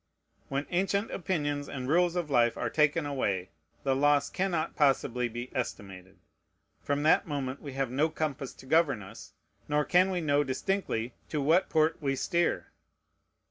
When ancient opinions and rules of life are taken away, the loss cannot possibly be estimated. From that moment we have no compass to govern us, nor can we know distinctly to what port we steer.